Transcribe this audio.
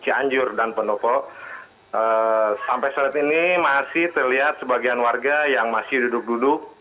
cianjur dan pendopo sampai saat ini masih terlihat sebagian warga yang masih duduk duduk